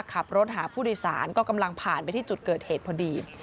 ขับรถหาผู้โดยสารก็กำลังผ่านไปที่จุดเกิดเหตุพอดี